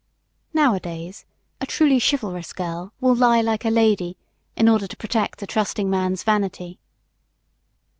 Nowadays, a truly chivalrous girl will "lie like a lady" in order to protect a trusting man's vanity.